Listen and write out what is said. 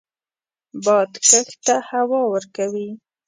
باد کښت ته هوا ورکوي